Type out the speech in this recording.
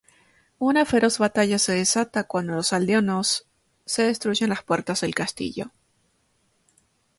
Una feroz batalla se desata cuando los aldeanos se destruyen las puertas del castillo.